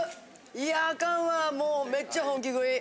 いやアカンわもうめっちゃ本気食い！